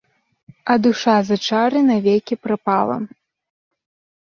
А душа за чары навекі прапала!